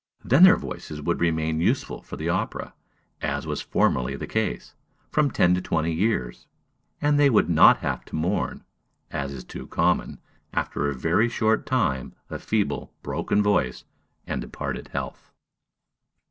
Then their voices would remain useful for the opera, as was formerly the case, from ten to twenty years; and they would not have to mourn, as is too common, after a very short time, a feeble, broken voice and departed health.